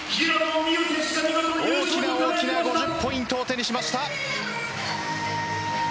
大きな大きな５０ポイントを手にしました。